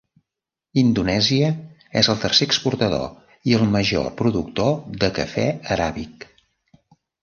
Indonèsia és el tercer exportador i el major productor de cafè aràbic.